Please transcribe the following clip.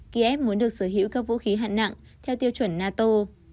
kiev muốn được sở hữu các vũ khí hạng nặng theo tiêu chuẩn nato